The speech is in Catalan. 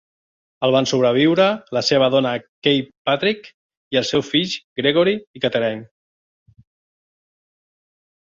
El van sobreviure la seva dona Kay Patrick i els seus fills, Gregory i Catherine.